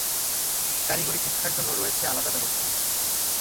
কারিগরি শিক্ষার জন্য রয়েছে আলাদা ব্যবস্থা।